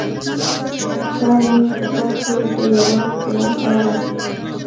شپه مې په ښار کښې د يوه خپلوان کره وه.